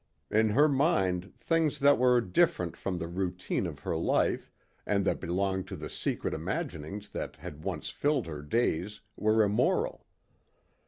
In her mind things that were different from the routine of her life and that belonged to the secret imaginings that had once filled her days were immoral.